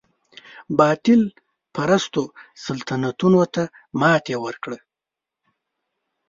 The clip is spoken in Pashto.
باطل پرستو سلطنتونو ته ماتې ورکړه.